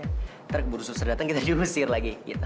nanti baru susah datang kita diusir lagi gitu